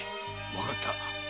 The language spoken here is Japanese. わかった。